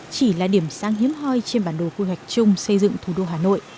chỉ là điểm sang hiếm hoi trên bản đồ khu hoạch chung xây dựng thủ đô hà nội